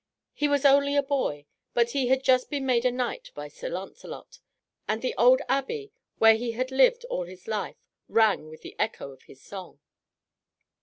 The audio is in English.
He was only a boy, but he had just been made a knight by Sir Lancelot, and the old abbey, where he had lived all his life, rang with the echo of his song.